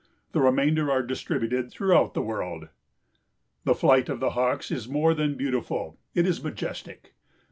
The remainder are distributed throughout the world. The flight of the Hawks is more than beautiful, it is majestic.